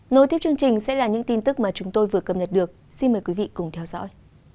nối tiếp chương trình sẽ là những tin tức mà chúng tôi vừa cập nhật được xin mời quý vị cùng theo dõi